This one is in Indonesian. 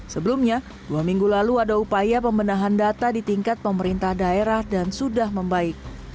sebelumnya dua minggu lalu ada upaya pembenahan data di tingkat pemerintah daerah dan sudah membaik